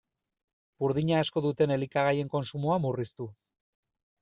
Burdina asko duten elikagaien kontsumoa murriztu.